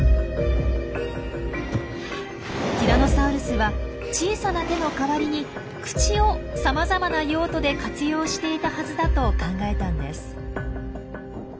ティラノサウルスは小さな手の代わりに口をさまざまな用途で活用していたはずだと考えたんです。